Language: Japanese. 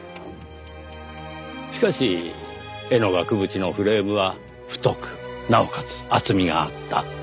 しかし絵の額縁のフレームは太くなおかつ厚みがあった。